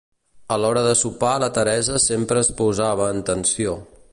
A l'hora de sopar la Teresa sempre es posava en tensió.